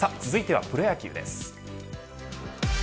続いてはプロ野球です。